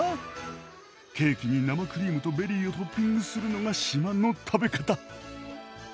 ケーキに生クリームとベリーをトッピングするのが島の食べ方。